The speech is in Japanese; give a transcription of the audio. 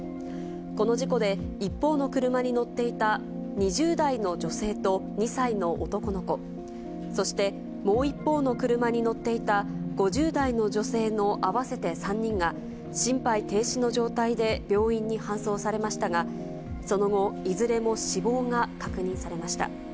この事故で、一方の車に乗っていた２０代の女性と２歳の男の子、そしてもう一方の車に乗っていた５０代の女性の合わせて３人が、心肺停止の状態で病院に搬送されましたが、その後、いずれも死亡が確認されました。